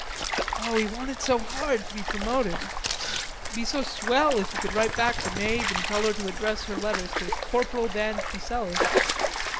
Oh, he wanted so hard to be promoted. It'd be so swell if he could write back to Mabe and tell her to address her letters Corporal Dan Fuselli.